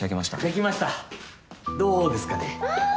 出来ましたどうですかねあぁ！